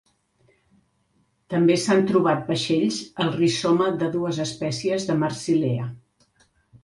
També s'han trobat vaixells al rizoma de dues espècies de "Marsilea".